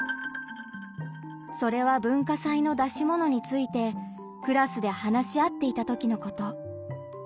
それは文化祭の出し物についてクラスで話し合っていた時のこと。